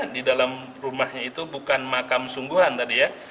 di dalam rumahnya itu bukan makam sungguhan tadi ya